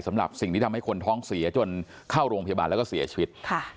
สำหรับสิ่งที่ทำให้คนท้องเสียจนเข้าโรงพยาบาลแล้วก็เสียชีวิต